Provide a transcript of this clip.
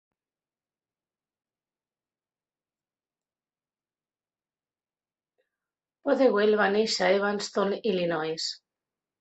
Podewell va néixer a Evanston, Illinois.